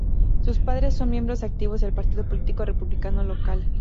Sus padres son miembros activos del partido político republicano local.